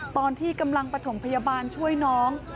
ตอนที่กำลังประถมพยาบาลช่วยน้อง